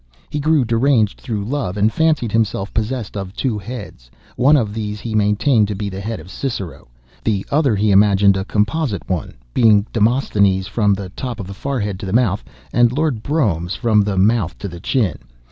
He grew deranged through love, and fancied himself possessed of two heads. One of these he maintained to be the head of Cicero; the other he imagined a composite one, being Demosthenes' from the top of the forehead to the mouth, and Lord Brougham's from the mouth to the chin.